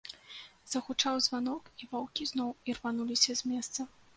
Загучаў званок, і ваўкі зноў ірвануліся з месца.